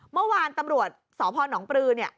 เมื่อวานตำรวจสพนปลือเนี่ย